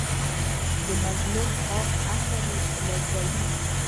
د مظلوم آه عرش لرزوي